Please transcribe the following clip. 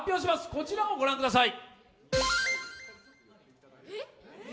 こちらを御覧ください。